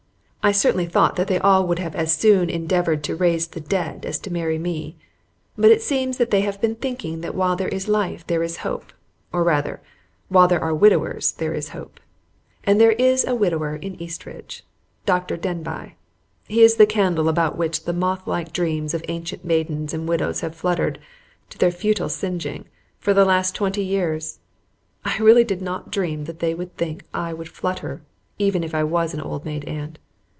I certainly thought that they all would have as soon endeavored to raise the dead as to marry me, but it seems that they have been thinking that while there is life there is hope, or rather, while there are widowers there is hope. And there is a widower in Eastridge Dr. Denbigh. He is the candle about which the mothlike dreams of ancient maidens and widows have fluttered, to their futile singeing, for the last twenty years. I really did not dream that they would think I would flutter, even if I was an old maid aunt.